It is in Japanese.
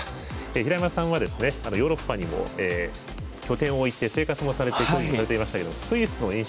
平山さんはヨーロッパにも拠点を置いて生活もされていましたけどスイスの印象